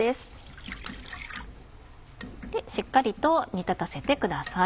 しっかりと煮立たせてください。